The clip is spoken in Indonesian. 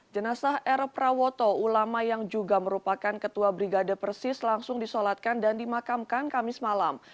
jenazah r prawoto ulama yang juga merupakan ketua brigade persis langsung disolatkan dan dimakamkan kamis malam